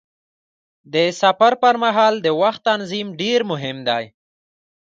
د سفر پر مهال د وخت تنظیم ډېر مهم دی.